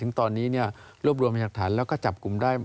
ตอนนี้รวบรวมพยากฐานแล้วก็จับกลุ่มได้